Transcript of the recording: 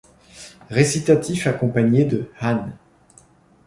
Récitatif accompagné de Hanne.